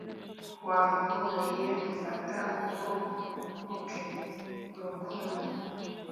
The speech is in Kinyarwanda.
wampobeye umfata ukuboko, 'ok, urukundo